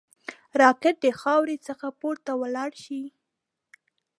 راکټ د خاورې څخه پورته ولاړ شي